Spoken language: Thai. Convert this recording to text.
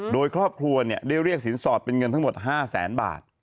โดยครอบครัวได้เรียกสินสอดเป็นเงินทั้งหมด๕แสนบาท